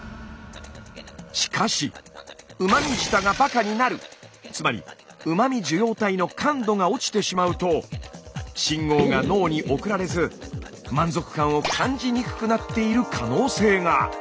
しかしつまりうま味受容体の感度が落ちてしまうと信号が脳に送られず満足感を感じにくくなっている可能性が。